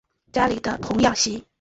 家里的童养媳